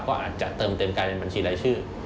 ก็อาจจะเติมเต็มกลายเป็นบัญชีรายชื่อ